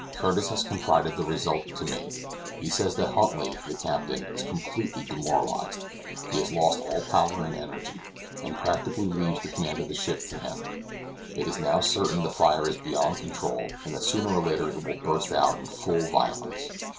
Curtis has confided the result to me. He says that Huntly, the captain, is completely demoralized; he has lost all power and energy; and practically leaves the command of the ship to him. It is now certain the fire is beyond control, and that sooner or later it will burst out in full violence.